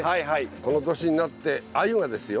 この年になってアユがですよ